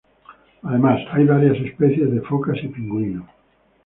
Además, hay varias especies de focas y pingüinos.